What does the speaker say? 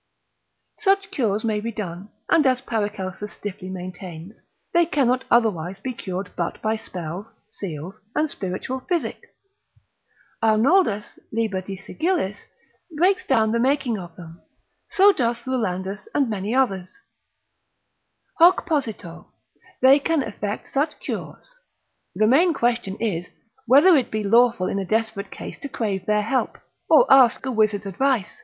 Such cures may be done, and as Paracels. Tom. 4. de morb. ament. stiffly maintains, they cannot otherwise be cured but by spells, seals, and spiritual physic. Arnoldus, lib. de sigillis, sets down the making of them, so doth Rulandus and many others. Hoc posito, they can effect such cures, the main question is, whether it be lawful in a desperate case to crave their help, or ask a wizard's advice.